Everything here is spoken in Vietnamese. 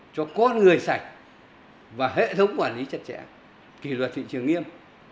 cho con người sạch và hệ thống quản lý chặt chẽ kỷ luật thị trường nghiêm